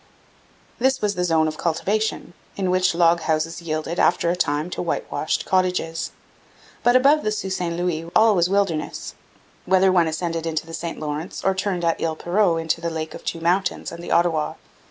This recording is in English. This was the zone of cultivation, in which log houses yielded, after a time, to white washed cottages. But above the Sault St Louis all was wilderness, whether one ascended the St Lawrence or turned at Ile Perrot into the Lake of Two Mountains and the Ottawa.